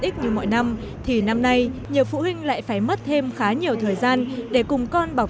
ít như mọi năm thì năm nay nhiều phụ huynh lại phải mất thêm khá nhiều thời gian để cùng con bọc